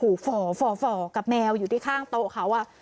ขู่ฝ่อฝ่อฝ่อกับแมวอยู่ที่ข้างโต๊ะเค้าอ่ะ